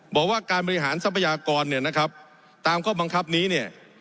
บอกว่าการบริหารทรัพยากรเนี่ยนะครับตามข้อบังคับนี้เนี่ย